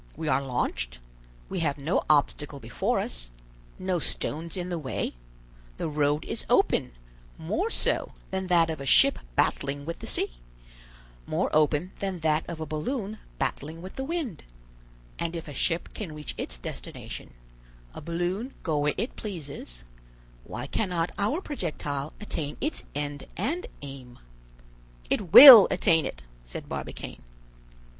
We are launched; we have no obstacle before us, no stones in the way; the road is open, more so than that of a ship battling with the sea; more open than that of a balloon battling with the wind; and if a ship can reach its destination, a balloon go where it pleases, why cannot our projectile attain its end and aim?" "It will attain it," said Barbicane.